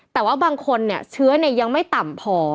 แต่ว่าบางคนเนี่ยเชื้อยังไม่ต่ำพอ